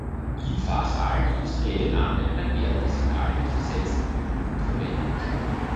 In fast allen industriellen Anwendungen werden die Signale mit versetztem Nullpunkt verwendet.